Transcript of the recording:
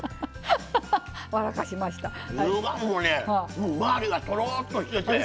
牛丸も周りがとろっとしてて。